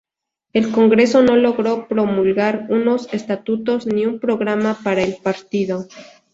El congreso no logró promulgar unos estatutos ni un programa para el partido.